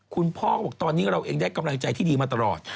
คุณพ่อก็บอกตอนนี้เราเองได้กำลังใจที่ดีมาตลอด